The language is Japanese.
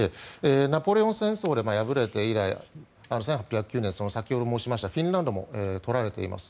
ナポレオン戦争で敗れて以来１８０９年、先ほど申しましたフィンランドも取られています